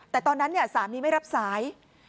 แต่ตอนนั้นสามีไม่รับสาย